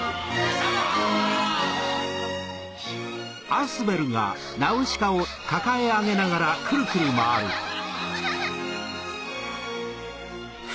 アハハハ。